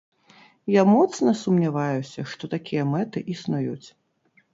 Я моцна сумняваюся, што такія мэты існуюць.